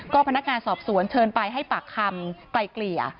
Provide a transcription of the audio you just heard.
พนักงานสอบสวนเชิญไปให้ปากคำไกลเกลี่ย